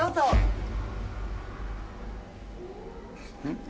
ん？